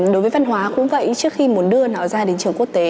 đối với văn hóa cũng vậy trước khi muốn đưa nó ra đến trường quốc tế